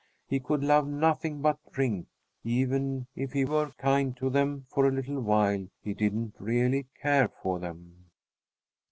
He could love nothing but drink. Even if he were kind to them for a little while, he didn't really care for them.